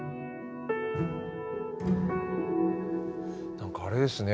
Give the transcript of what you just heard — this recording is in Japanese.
何かあれですね。